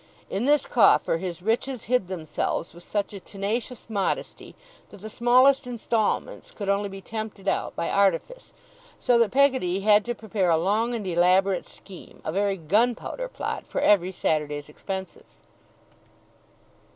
In this coffer, his riches hid themselves with such a tenacious modesty, that the smallest instalments could only be tempted out by artifice; so that Peggotty had to prepare a long and elaborate scheme, a very Gunpowder Plot, for every Saturday's expenses.